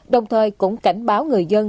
đồng thời cũng cảnh báo người dân